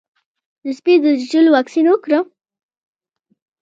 د سپي د چیچلو واکسین وکړم؟